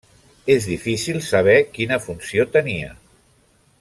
És difícil saber quina funció tenia.